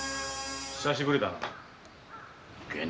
久しぶりだな。